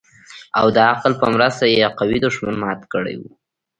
او د عقل په مرسته يې قوي دښمن مات کړى و.